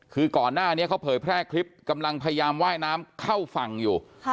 คือก่อนหน้านี้เขาเผยแพร่คลิปกำลังพยายามไหว้น้ำเข้าฝั่งอยู่